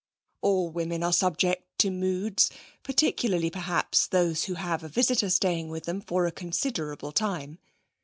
All women are subject to moods, particularly, perhaps, those who have a visitor staying with them for a considerable time.